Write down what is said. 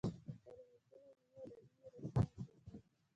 د خپلو نیکونو علمي، ادبي میراثونه یې ساتل.